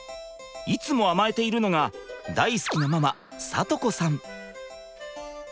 いつも甘えているのが大好きなママ恵子さん。